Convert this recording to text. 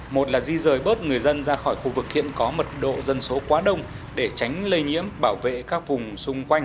một là di rời bớt người dân ra khỏi khu vực hiện có mật độ dân số quá đông để tránh lây nhiễm bảo vệ các vùng xung quanh